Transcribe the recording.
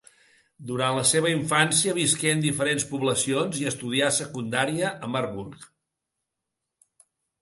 Durant la seva infància visqué en diferents poblacions i estudià secundària a Marburg.